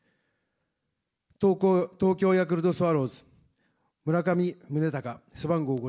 東京ヤクルトスワローズ、村上宗隆、背番号５５。